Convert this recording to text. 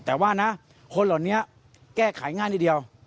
แต่ว่านะคนเหล่านี้แก้ไขง่ายนิดเดียว